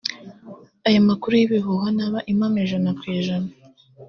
Aya makuru y'ibihuha ni aba impamo ijana ku ijana